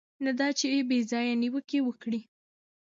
نه دا چې بې ځایه نیوکې وکړي.